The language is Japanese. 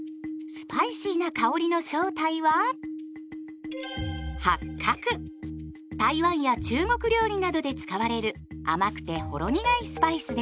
スパイシーな香りの正体は台湾や中国料理などで使われる甘くてほろ苦いスパイスです。